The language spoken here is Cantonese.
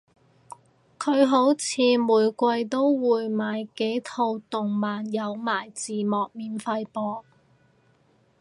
佢好似每季都會買幾套動漫有埋字幕免費播